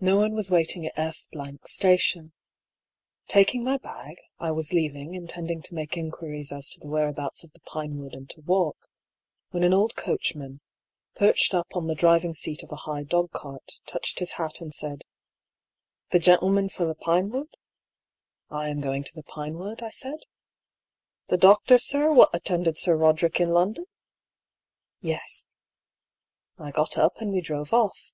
No one waiting at F station. Taking my bag, I was leaving, intending to make inquiries as to the whereabouts of the Pinewood and to walk, when an old 26 DR. PAULL'S THEORY. coachman, perched up on the driving seat of a high dogcart, touched his hat and said :" The gentleman for the Pinewood ?"" I am going to the Pinewood," I said. "The doctor, sir, what attended Sir Roderick in London ?" "Yes." I got up, and we drove oflf.